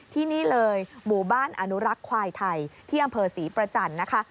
ที่นี่เลยบุบ้านอนุรักษ์ไทยที่อำเภอสีประจัญค่ะ